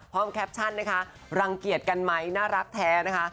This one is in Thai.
แคปชั่นนะคะรังเกียจกันไหมน่ารักแท้นะคะ